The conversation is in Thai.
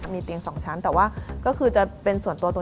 มีเตียง๒ชั้นแต่ว่าก็คือจะเป็นส่วนตัวตัว